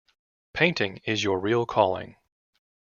Painting is your real calling.